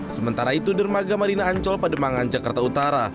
sementara itu dermaga marina ancol pada mangan jakarta utara